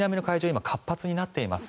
今、活発になっています。